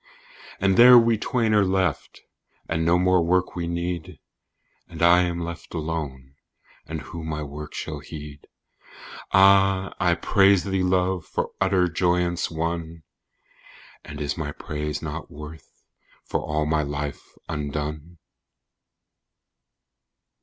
And there we twain are left, and no more work we need: "And I am left alone, and who my work shall heed?" Ah! I praise thee, Love, for utter joyance won! "And is my praise nought worth for all my life undone?"